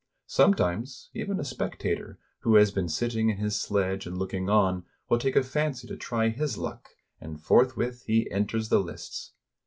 Some times even a spectator, who has been sitting in his sledge and looking on, will take a fancy to try his luck, — and forthwith he enters the lists.